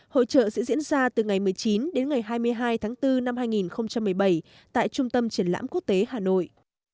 hội trợ sẽ diễn ra từ ngày một mươi chín đến ngày hai mươi hai tháng bốn năm hai nghìn một mươi bảy tại trung tâm triển lãm quốc tế hà nội